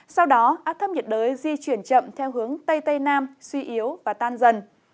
sau đó áp thấp nhiệt đới di chuyển chậm theo hướng tây tây nam suy yếu và tan dần